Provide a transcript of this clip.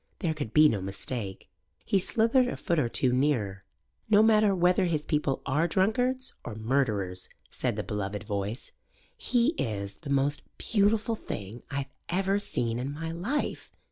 There could be no mistake. He slithered a foot or two nearer. "No matter whether his people are drunkards or murderers," said the beloved voice, "he is the most beautiful thing I've ever seen in my life.